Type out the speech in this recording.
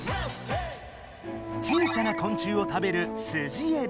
小さなこん虫を食べるスジエビ。